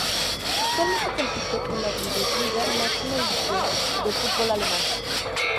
Actualmente compite en la Bundesliga, máxima división del fútbol alemán.